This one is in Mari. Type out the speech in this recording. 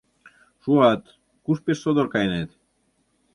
Шуат, куш пеш содор кайынет?